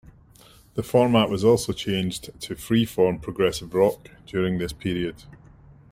The format was also changed to "free-form progressive rock" during this period.